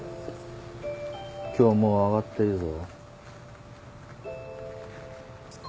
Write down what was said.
今日もう上がっていいぞ。